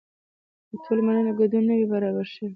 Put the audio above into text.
که ټول منلی ګډون نه وي برابر شوی.